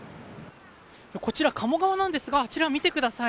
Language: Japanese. こちら鴨川なんですがあちら、見てください。